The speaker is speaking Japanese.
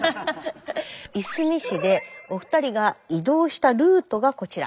いすみ市でお二人が移動したルートがこちら。